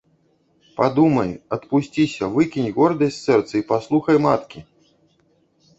Падумай, адпусціся, выкінь гордасць з сэрца і паслухай маткі!